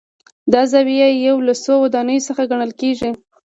دا زاویه یو له څو ودانیو څخه ګڼل کېږي.